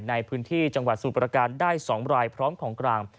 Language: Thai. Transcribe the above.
ในพื้นที่จังหวัดสมุทรประการได้๒รายพร้อมของกลาง